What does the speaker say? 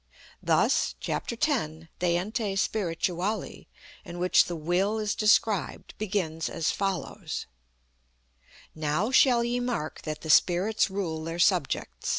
Thus, chap, x, de Ente Spirituali, in which the Will is described, begins as follows: "Now shall ye mark that the Spirits rule their subjects.